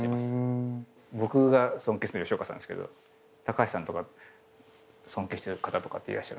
僕が尊敬してるの吉岡さんですけど橋さんとか尊敬してる方とかいらっしゃるんですか？